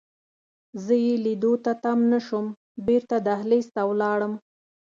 زه یې لیدو ته تم نه شوم، بیرته دهلېز ته ولاړم.